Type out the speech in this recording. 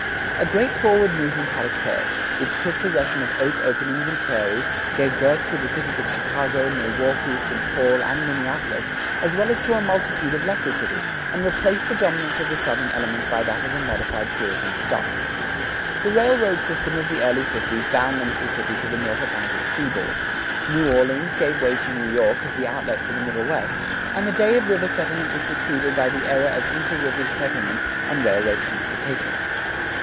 A great forward movement had occurred, which took possession of oak openings and prairies, gave birth to the cities of Chicago, Milwaukee, St. Paul, and Minneapolis, as well as to a multitude of lesser cities, and replaced the dominance of the Southern element by that of a modified Puritan stock. The railroad system of the early fifties bound the Mississippi to the North Atlantic seaboard; New Orleans gave way to New York as the outlet for the Middle West, and the day of river settlement was succeeded by the era of inter river settlement and railway transportation.